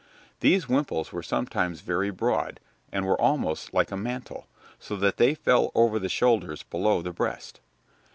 These wimples were sometimes very broad, and were almost like a mantle, so that they fell over the shoulders below the breast.